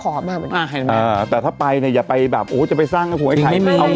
โอ้วพี่หนุ่มยังล่ะโอ้ว